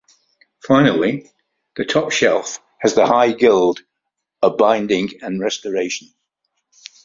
Finally, the Top Shelf has the High Guild of Binding and Restoration.